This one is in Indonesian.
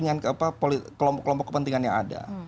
dengan kelompok kelompok kepentingan yang ada